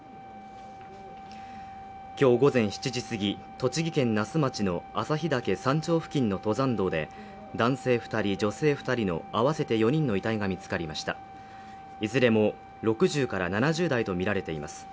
今日午前７時すぎ栃木県那須町の朝日岳山頂付近の登山道で男性二人女性二人の合わせて４人の遺体が見つかりましたいずれも６０から７０代とみられています